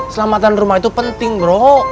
selamatan rumah itu penting bro